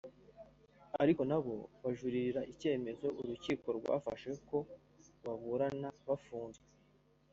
ariko nabo bajuririra icyemezo urukiko rwafashe ko baburana bafunzwe